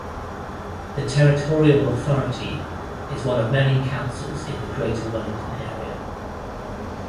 The territorial authority is one of many councils in the greater Wellington area.